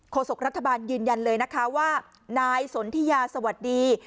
ศกรัฐบาลยืนยันเลยนะคะว่านายสนทิยาสวัสดี